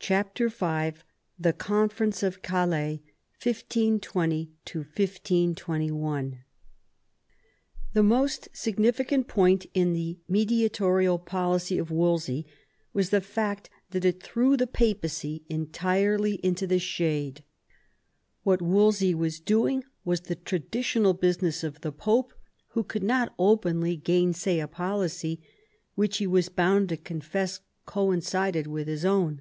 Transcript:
CHAPTER V THE CONFERENCE OF CALAIS 1520 1521 The most significant point in the mediatorial policy of Wolsey was the fact that it threw the Papacy entirely into the shade. What Wolsey was doing was the traditional business of the Pope, who could not openly gainsay a policy which he was bound to profess coincided with his own.